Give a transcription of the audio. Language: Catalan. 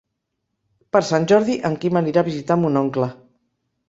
Per Sant Jordi en Quim anirà a visitar mon oncle.